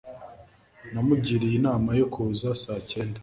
namugiriye inama yo kuza saa cyenda